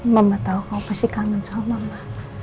mama tau kamu pasti kangen sama mama